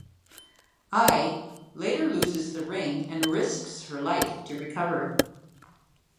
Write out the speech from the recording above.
Ai later loses the ring and risks her life to recover it.